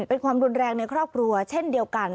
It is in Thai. เป็นความรุนแรงในครอบครัวเช่นเดียวกัน